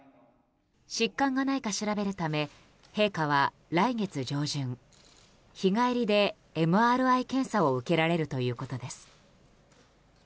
疾患がないか調べるため陛下は来月上旬日帰りでＭＲＩ検査を受けられるということです。